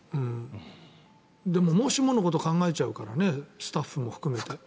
でも、もしものことを考えちゃうからねスタッフも含めて。